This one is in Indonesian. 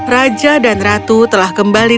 raja dan ratu telah kembali